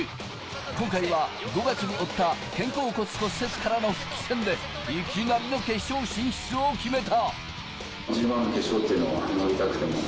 今回は５月に負った肩甲骨骨折からの復帰戦でいきなりの決勝進出を決めた。